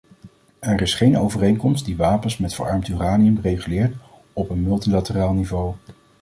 Er is geen overeenkomst die wapens met verarmd uranium reguleert op een multilateraal niveau.